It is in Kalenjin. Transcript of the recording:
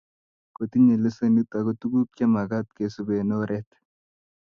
kotinyei lesenit ago tuguuk chemagat kesuup eng oret